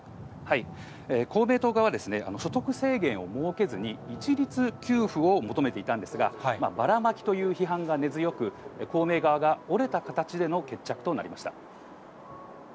公明党側はですね、所得制限を設けずに、一律給付を求めていたんですが、ばらまきという批判が根強く、公明側が折れた形での決着となりました。